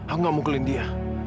aku gak mukulin dia